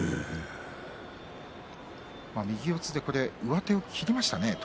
右四つで途中で上手を切りましたね。